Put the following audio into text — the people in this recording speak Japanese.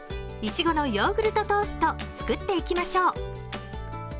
いちごのヨーグルトトースト作って行きましょう。